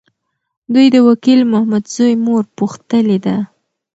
دوی د وکیل محمدزي مور پوښتلي ده.